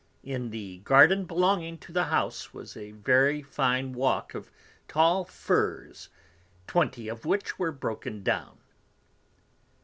In the Garden belonging to the House, was a very fine Walk of tall Firrs, twenty of which were broken down.